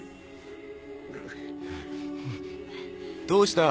どうした？